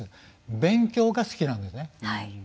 勉強が好きなんですね。